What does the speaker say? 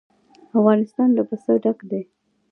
افغانستان له پسه ډک دی.